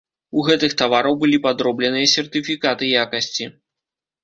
У гэтых тавараў былі падробленыя сертыфікаты якасці.